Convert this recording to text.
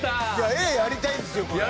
Ａやりたいですよ。